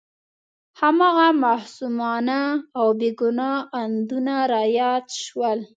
هماغه معصومانه او بې ګناه اندونه را یاد شول.